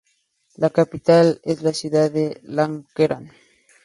La capital es la ciudad de Lənkəran.